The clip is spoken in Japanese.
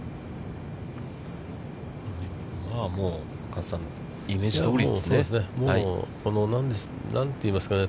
加瀬さん、イメージどおりですね。